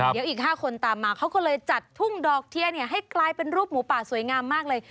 เดี๋ยวอีก๕คนตามมาเขาก็เลยจัดทุ่งดอกเทียนให้กลายเป็นรูปหมูป่าสวยงามมากเลย